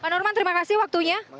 pak norman terima kasih waktunya